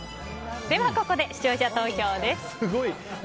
ここで視聴者投票です。